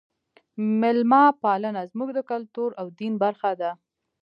میلمه پالنه زموږ د کلتور او دین برخه ده.